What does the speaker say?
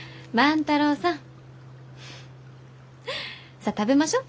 さあ食べましょう。